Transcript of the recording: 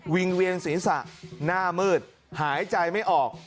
งเวียนศีรษะหน้ามืดหายใจไม่ออก